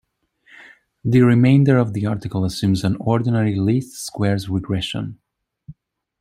The remainder of the article assumes an ordinary least squares regression.